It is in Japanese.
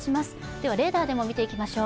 ではレーダーでも見ていきましょう。